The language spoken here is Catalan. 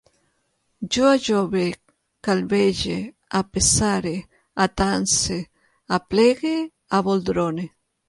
Jo ajove, calbege, apesare, atanse, aplegue, aboldrone